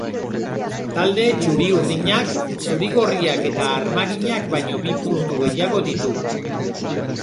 Talde txuri-urdinak zuri-gorriak eta armaginak baino bi puntu gehiago ditu.